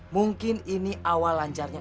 mungkin ini awal lancarnya